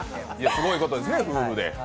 すごいことですよね、夫婦で。